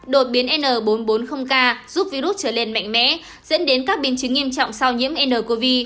đột biến n bốn trăm bốn mươi k giúp virus trở lên mạnh mẽ dẫn đến các biến chứng nghiêm trọng sau nhiễm ncov